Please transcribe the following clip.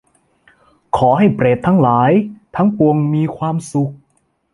ขอให้เปรตทั้งหลายทั้งปวงมีความสุข